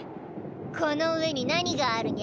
この上に何があるニャ？